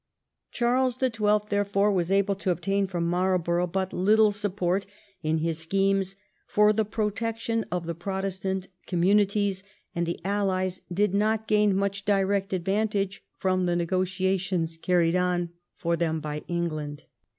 Charles the Twelfth, therefore, was able to obtain from Marlborough but little sup port in his schemes for the protection of the Pro testant communities, and the Allies did not gain much direct advantage from the negotiations carried on for them by England.